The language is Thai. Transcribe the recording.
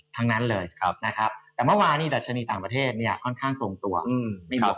แต่เมื่อวานี้รัชญีต่างประเทศค่อนข้างส่งตัว